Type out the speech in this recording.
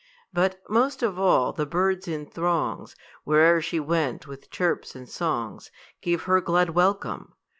But, most of all, the birds in throngs, Where'er she went, with chirps and songs Gave her glad welcome.